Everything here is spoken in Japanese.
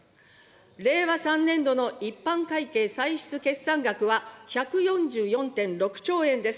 令和３年度の一般会計歳出決算額は、１４４．６兆円です。